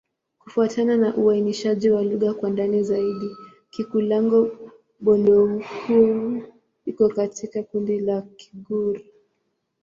Kufuatana na uainishaji wa lugha kwa ndani zaidi, Kikulango-Bondoukou iko katika kundi la Kigur.